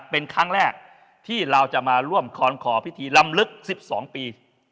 เป็นครั้งแรกที่เราจะมาร่วมคอนขอพิธีลำลึก๑๒ปี